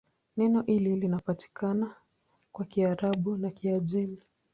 Neno hili linapatikana kwa Kiarabu na Kiajemi.